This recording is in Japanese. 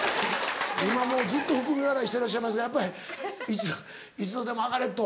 今もうずっと含み笑いしてらっしゃいますけどやっぱりいつまでも上がれと？